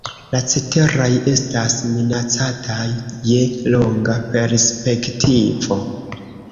La ceteraj estas minacataj je longa perspektivo.